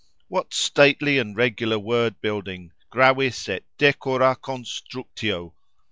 What stately and regular word building—gravis et decora constructio!